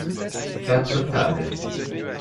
quatre tables.